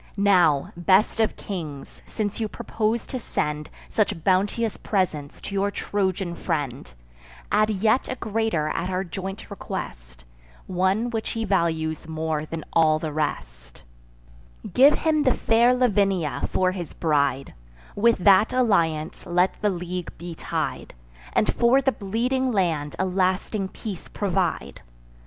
Now, best of kings, since you propose to send Such bounteous presents to your Trojan friend; Add yet a greater at our joint request, One which he values more than all the rest: Give him the fair Lavinia for his bride; With that alliance let the league be tied, And for the bleeding land a lasting peace provide.